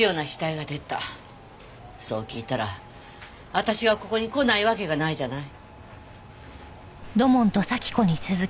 そう聞いたら私がここに来ないわけがないじゃない？